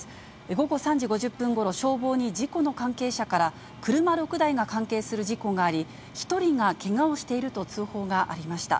午後３時５０分ごろ、消防に事故の関係者から車６台が関係する事故があり、１人がけがをしていると通報がありました。